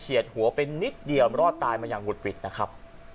หัวไปนิดเดียวรอดตายมาอย่างหุดหวิดนะครับ